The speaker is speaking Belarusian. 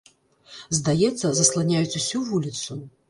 Здаецца, засланяюць усю вуліцу.